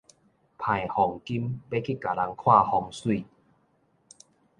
揹鳳金欲去共人看風水